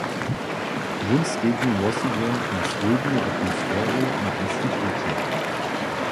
Wón skedźbni wosebje na swójbnu atmosferu na instituće.